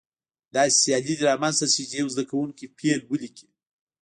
داسې سیالي دې رامنځته شي چې یو زده کوونکی فعل ولیکي.